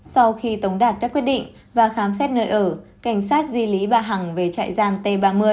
sau khi tống đạt các quyết định và khám xét nơi ở cảnh sát di lý bà hằng về trại giam t ba mươi